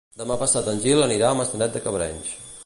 Demà passat en Gil anirà a Maçanet de Cabrenys.